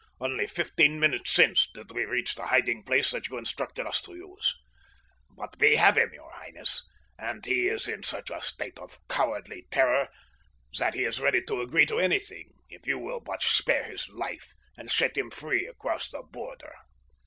Only fifteen minutes since did we reach the hiding place that you instructed us to use. But we have him, your highness, and he is in such a state of cowardly terror that he is ready to agree to anything, if you will but spare his life and set him free across the border."